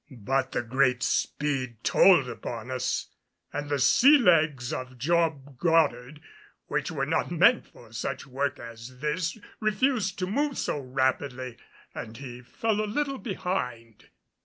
But the great speed told upon us, and the sea legs of Job Goddard, which were not meant for such work as this, refused to move so rapidly and he fell a little behind.